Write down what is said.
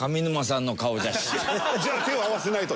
じゃあ手を合わせないと。